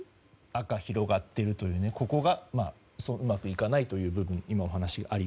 赤が広がっているところがうまくいかない部分。